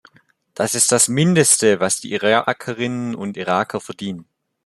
Das ist das Mindeste, was die Irakerinnen und Iraker verdienen.